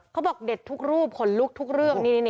เขาบอกเด็ดทุกรูปขนลุกทุกเรื่อง